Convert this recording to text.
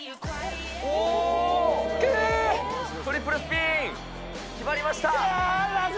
トリプルスピン、決まりました。